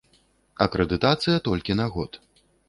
Акрэдытацыя толькі на год.